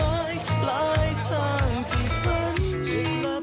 หลายทางที่ฝันทุกลับ